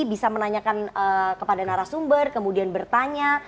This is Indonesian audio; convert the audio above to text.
bisa menanyakan kepada narasumber kemudian bertanya